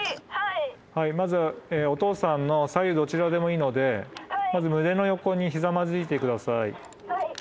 まずおとうさんの左右どちらでもいいのでまず胸の横にひざまずいて下さい。